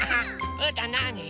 うーたんなあに？